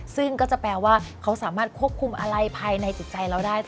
ซึ่งก็จะแปลว่าเขาสามารถควบคุมอะไรภายในจิตใจเราได้